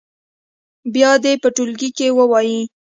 بیا دې یې په ټولګي کې ووایي.